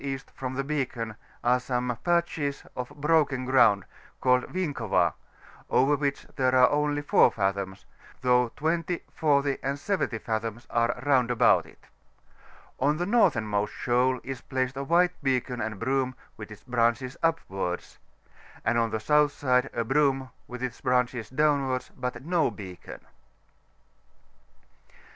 E. from the beacon are some patches of brokm graimdt called Winkova, over which are only 4 fathoms, though 20, 40, and 70 fathoms are round about it. On the northernmost shoal is placed a white beacon and broom, with ks branehes upwards; and on the south side a broom, with its branches downwi»rds, but no beacon.